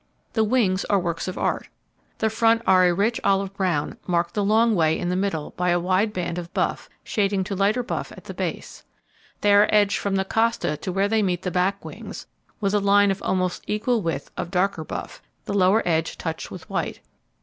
The wings are works of art. The front are a rich olive brown, marked the long way in the middle by a wide band of buff, shading to lighter buff at the base. They are edged from the costa to where they meet the back wings, with a line of almost equal width of darker buff, the lower edge touched with white.